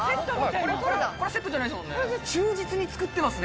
これセットじゃないですもんね。